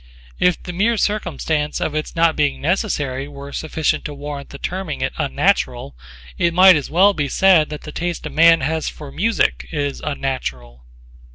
If the mere circumstance of its not being necessary were sufficient to warrant the terming it unnatural it might as well be said that the taste a man has for music is unnatural.